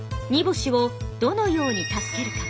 星をどのように助けるか。